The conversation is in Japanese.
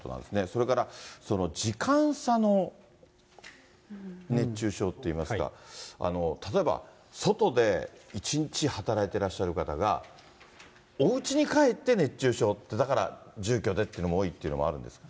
それから時間差の熱中症といいますか、例えば外で一日働いてらっしゃる方が、おうちに帰って熱中症って、だから住居でっていうのも多いっていうのもあるんですね。